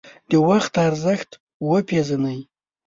د وخت ارزښت وپیژنئ